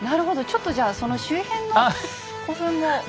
ちょっとじゃあその周辺の古墳もこれから。